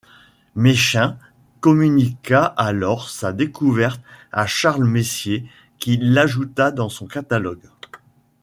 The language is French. Méchain communiqua alors sa découverte à Charles Messier qui l'ajouta dans son catalogue.